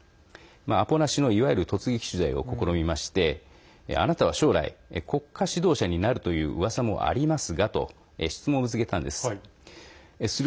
アポなしのいわゆる突撃取材を試みましてあなたは将来国家指導者になるといううわさもありますがと質問を告げたんです。